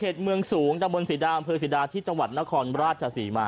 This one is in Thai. เพจเมืองสูงตระบวนสีดาบริเวรสีดาที่จนครราชสีมา